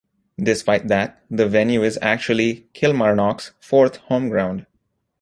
Despite that, the venue is actually Kilmarnock's fourth home ground.